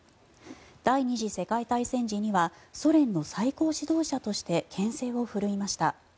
第２次世界大戦時にはソ連の最高指導者として権勢を振るいました。